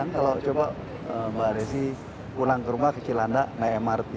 kalau coba mbak desi pulang ke rumah kecil anda naik mrt